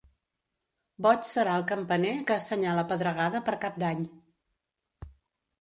Boig serà el campaner que assenyala pedregada per Cap d'Any.